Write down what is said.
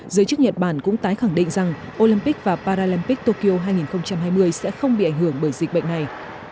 giới chức nhật bản cũng tái khẳng định rằng olympic và paralympic tokyo hai nghìn hai mươi sẽ không bị ảnh hưởng bởi dịch bệnh này